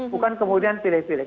bukan kemudian pilih pilih